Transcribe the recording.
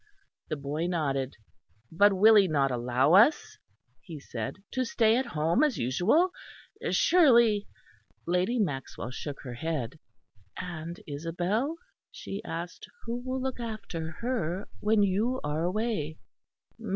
The boy nodded. "But will he not allow us," he said, "to stay at home as usual? Surely " Lady Maxwell shook her head. "And Isabel?" she asked, "who will look after her when you are away?"